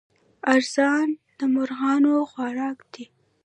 ارزن د مرغانو خوراک دی.